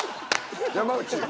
山内。